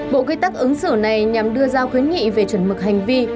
bộ quy tắc ứng xử này nhằm đưa ra khuyến nghị về chuẩn mực hành vi